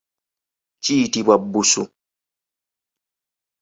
Kiyitibwa bbusu.